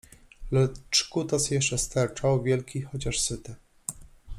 Lecz kutas jeszcze sterczał, wielki, chociaż syty.